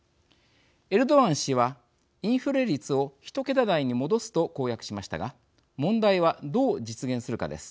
エルドアン氏はインフレ率を１桁台に戻すと公約しましたが問題はどう実現するかです。